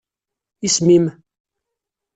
Isem-im?